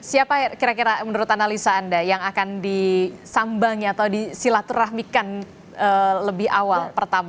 siapa kira kira menurut analisa anda yang akan disambangi atau disilaturahmikan lebih awal pertama